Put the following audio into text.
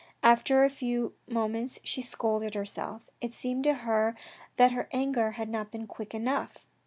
After a few moments she scolded herself. It seemed to her that her anger had not been quick enough.